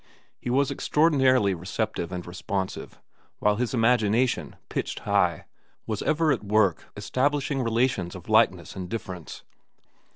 He was extraordinarily receptive and responsive, while his imagination, pitched high, was ever at work establishing relations of likeness and difference.